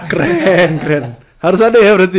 keren keren harus ada ya berarti